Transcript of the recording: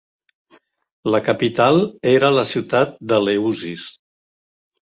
La capital era la ciutat d'Eleusis.